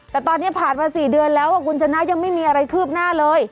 แต่ตอนนี้ผ่านมา๔เดือนแล้วคุณชนะยังไม่มีอะไรคืบหน้าเลย